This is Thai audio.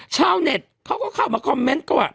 ชาวเน็ตเขาก็เข้ามาคอมเมนต์ก็ว่า